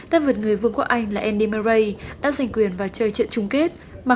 tay vượt người vương quốc anh là andy murray đã giành quyền vào chơi trận chung kết mà